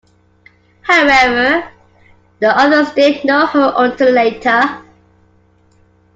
However, the others didn't know her until later.